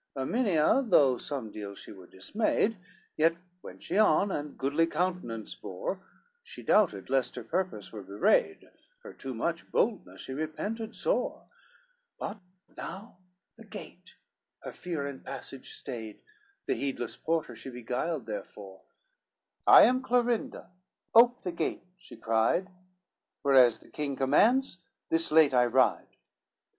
XCV Erminia, though some deal she were dismayed, Yet went she on, and goodly countenance bore, She doubted lest her purpose were bewrayed, Her too much boldness she repented sore; But now the gate her fear and passage stayed, The heedless porter she beguiled therefore, "I am Clorinda, ope the gate," she cried, "Where as the king commands, this late I ride."